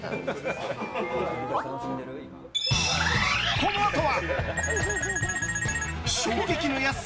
このあとは？